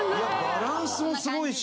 バランスもすごいし。